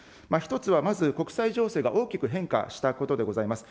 １つはまず、国際情勢が大きく変化したことでございます。